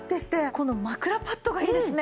この枕パッドがいいですね。